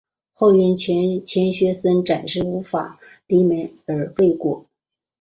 后因钱学森暂时无法离美而未果。